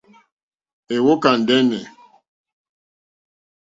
Èwókà ndɛ́nɛ̀.